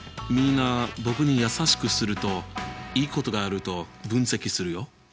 みんな僕に優しくするといいことがあると分析するよ！